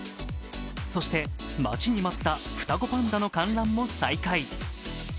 そして、待ちに待った双子パンダの観覧も再開。